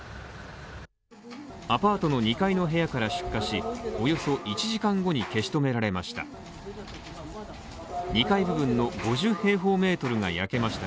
アパートの２階の部屋から出火し、およそ１時間後に消し止められました。